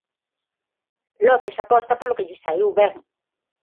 López aposta polo que lle saíu ben.